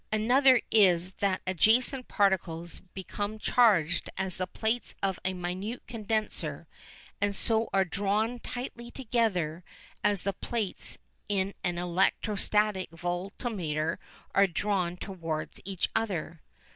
Another is that adjacent particles become charged as the plates of a minute condenser, and so are drawn tightly together as the plates in an electrostatic voltmeter are drawn towards each other.